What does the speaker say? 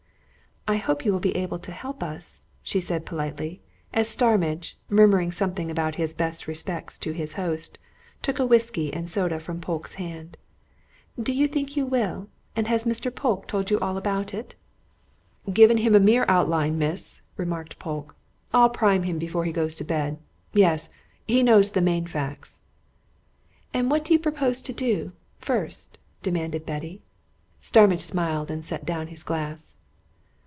"I hope you'll be able to help us," she said politely, as Starmidge, murmuring something about his best respects to his host, took a whisky and soda from Polke's hand. "Do you think you will and has Mr. Polke told you all about it?" "Given him a mere outline, miss," remarked Polke. "I'll prime him before he goes to bed. Yes he knows the main facts." "And what do you propose to do first?" demanded Betty. Starmidge smiled and set down his glass.